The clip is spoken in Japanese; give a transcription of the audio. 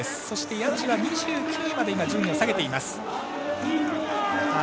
そして、谷地は２９位まで順位を下げています。